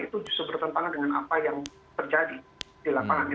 itu justru bertentangan dengan apa yang terjadi di lapangan